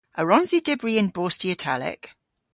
A wrons i dybri yn bosti Italek?